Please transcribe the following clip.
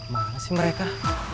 mana sih mereka